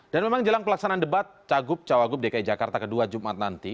dan memang jelang pelaksanaan debat cagup cawagup dki jakarta ke dua jumat nanti